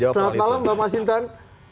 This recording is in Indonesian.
selamat malam bang mas hidon